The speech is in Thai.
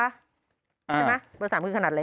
ใช่ไหมเบอร์๓คือขนาดเล็ก